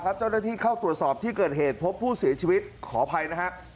เจ้าหน้าที่เข้าตรวจสอบที่เกิดเหตุพบผู้เสียชีวิตขออภัยนะฮะ